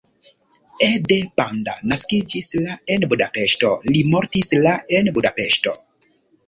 Ede Banda naskiĝis la en Budapeŝto, li mortis la en Budapeŝto.